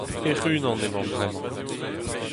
Hec'h-unan emañ bremañ.